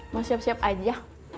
mau siap siap aja